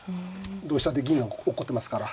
同飛車で銀が落っこってますから。